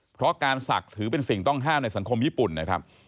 เพราะการศักดิ์ถือเป็นสิ่งต้องห้ามในสังคมญี่ปุ่นนะครับ